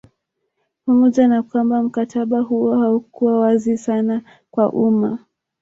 Pamoja na kwamba mkataba huo haukuwa wazi sana kwa umma